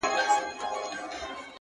• تر بام لاندي یې مخلوق تر نظر تېر کړ ,